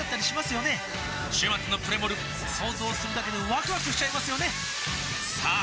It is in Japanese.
週末のプレモル想像するだけでワクワクしちゃいますよねさあ